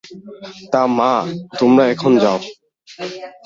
তা, মা তোমরা এখন যাও।